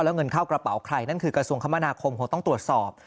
แล้วเงินเข้ากระเป๋าใครนั่นคือกระทรวงคมนาคมคงต้องตรวจสอบ